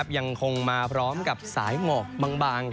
ยังคงมาพร้อมกับสายหมอกบาง